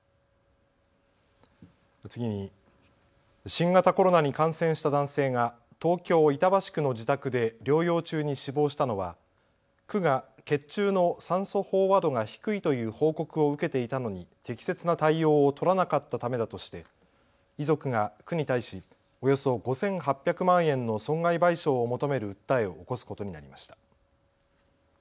次に新型コロナに感染した男性が東京板橋区の自宅で療養中に死亡したのは区が血中の酸素飽和度が低いという報告を受けていたのに適切な対応を取らなかったためだとして遺族が区に対しおよそ５８００万円の損害賠償を求める訴えを起こすことになりました。